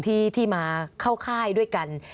ที่มาเข้าค่ายด้วยกัน